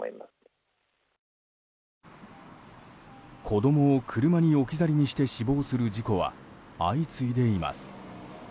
子供を車に置き去りにして死亡する事故は相次いでいます。